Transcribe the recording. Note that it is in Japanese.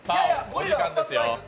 お時間ですよ。